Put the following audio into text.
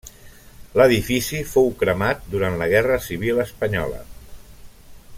L'edifici fou cremat durant la guerra civil espanyola.